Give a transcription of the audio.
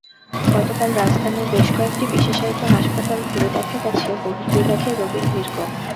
গতকাল রাজধানীর বেশ কয়েকটি বিশেষায়িত হাসপাতাল ঘুরে দেখা গেছে, বহির্বিভাগে রোগীর ভিড় কম।